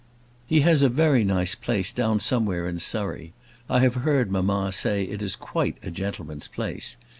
He has a very nice place down somewhere in Surrey; I have heard mamma say it is quite a gentleman's place.